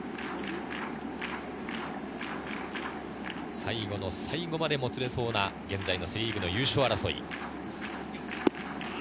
最後の最後までもつれそうな現在のセ・リーグの優勝争い。